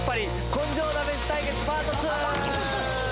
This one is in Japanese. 根性試し対決パート２。